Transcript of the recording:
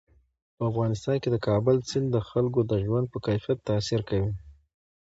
په افغانستان کې د کابل سیند د خلکو د ژوند په کیفیت تاثیر کوي.